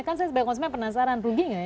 kan saya sebagai konsumen penasaran rugi nggak ya